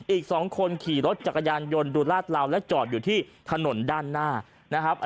อีก๒คนขี่รถจักรยานยนต์ดูลาดลาวเจาะอยู่ที่ถนนด้านหน้า